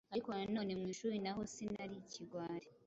ariko na none mu ishuri naho sinari ikigwari